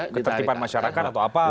ketertiban masyarakat atau apa